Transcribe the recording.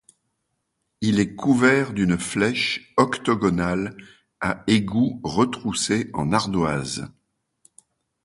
Il est couvert d'une flèche octogonale à égout retroussé en ardoise.